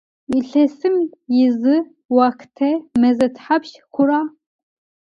Yilhesım yizı vuaxhte meze thapşş xhura?